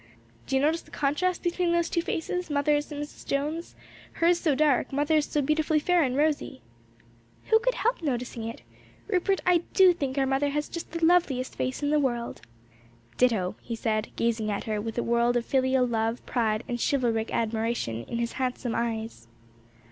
"Do you notice the contrast between those two faces? mother's and Mrs. Jones'; hers so dark, mother's so beautifully fair and rosy." "Who could help noticing it? Rupert, I do think our mother has just the loveliest face in the world!" "Ditto!" he said, gazing at her with a world of filial love, pride and chivalric admiration in his handsome eyes.